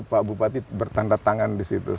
pak bupati bertanda tangan di situ sama pak bupati